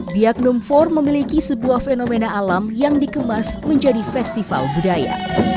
biaklum for memiliki sebuah fenomena alam yang dikemas menjadi festival budaya